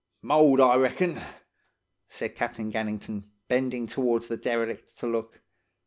"'Mould, I reckon,' said Captain Gannington, bending towards the derelict to look.